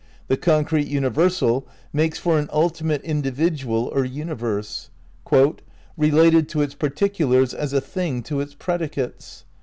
The concrete universal makes for an ultimate individual or universe, "related to its particulars as a thing to its predicates.''